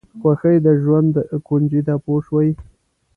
خوښي د ژوند کونجي ده پوه شوې!.